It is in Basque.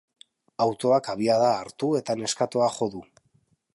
Autoak abiada hartu eta neskatoa jo du.